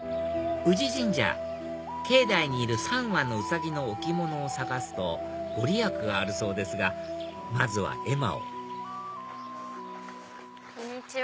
宇治神社境内にいる３羽のウサギの置物を探すと御利益があるそうですがまずは絵馬をこんにちは。